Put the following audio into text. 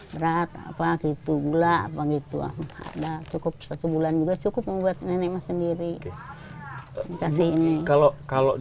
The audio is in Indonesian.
berat apa gitu gelap begitu ada cukup sebulan juga cukup membuat nenek sendiri kasih ini kalau kalau